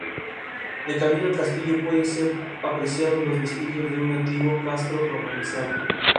De camino al castillo, pueden ser apreciados los vestigios de un antiguo castro romanizado.